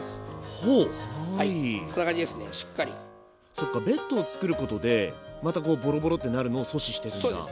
そっかベッドを作ることでまたこうボロボロってなるのを阻止してるんだ。